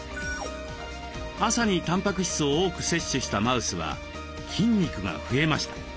朝にたんぱく質を多く摂取したマウスは筋肉が増えました。